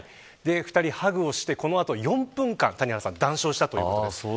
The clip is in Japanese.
２人は、この後４分間談笑したということです。